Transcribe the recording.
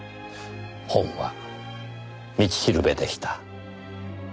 本は道しるべでした。